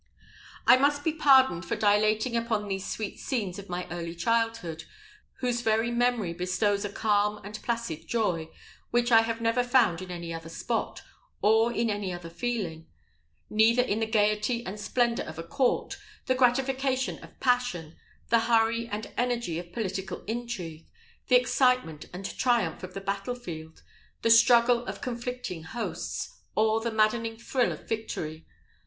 I must be pardoned for dilating upon those sweet scenes of my early childhood, whose very memory bestows a calm and placid joy, which I have never found in any other spot, or in any other feeling; neither in the gaiety and splendour of a court, the gratification of passion, the hurry and energy of political intrigue, the excitement and triumph of the battle field, the struggle of conflicting hosts, or the maddening thrill of victory.